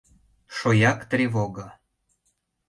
— Шояк тревого...